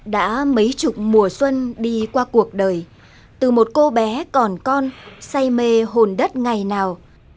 đã mấy chục mùa xuân đi qua cuộc đời từ một cô bé còn con say mê hồn đất ngày nào